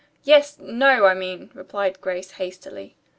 "Yes no, I mean," replied Grace hastily.